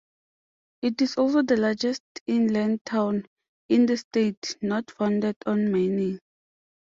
It is also the largest inland town in the state not founded on mining.